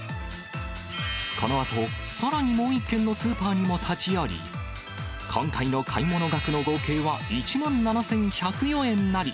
このあとさらにもう１軒のスーパーにも立ち寄り、今回の買い物額の合計は１万７１０４円なり。